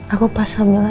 aku pas hamil